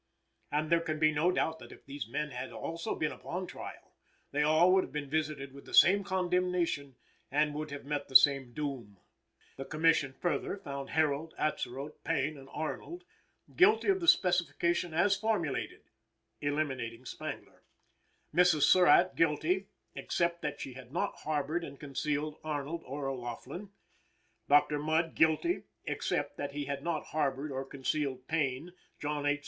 And there can be no doubt that if these men had also been upon trial, they all would have been visited with the same condemnation and would have met the same doom. The Commission, further, found Herold, Atzerodt, Payne and Arnold guilty of the Specification as formulated (eliminating Spangler); Mrs. Surratt guilty, except that she had not harbored and concealed Arnold or O'Laughlin; Dr. Mudd guilty, except that he had not harbored or concealed Payne, John H.